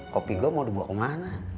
kopi gue mau dibawa kemana